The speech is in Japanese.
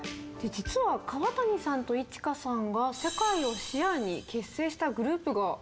実は川谷さんとｉｃｈｉｋａさんが世界を視野に結成したグループがあるんですか？